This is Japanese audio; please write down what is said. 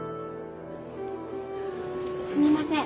すみません。